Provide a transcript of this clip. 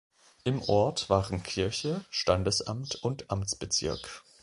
Im Ort waren Kirche, Standesamt und Amtsbezirk.